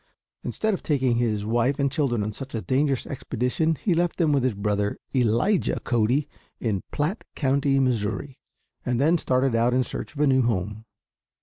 Instead of taking his wife and children on such a dangerous expedition he left them with his brother, Elijah Cody, in Platt County, Missouri, and then started out in search of a new home.